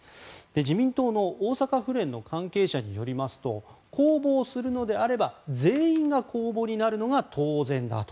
自民党の大阪府連の関係者によりますと公募をするのであれば全員が公募になるのが当然だと。